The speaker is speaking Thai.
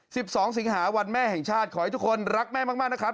สิบสองสิงหาวันแม่แห่งชาติขอให้ทุกคนรักแม่มากมากนะครับ